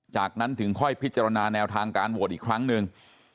จากนั้นถึงค่อยพิจารณาแนวทางการโหวตอีกครั้งหนึ่ง